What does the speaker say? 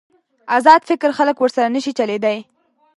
ازاد فکر خلک ورسره نشي چلېدای.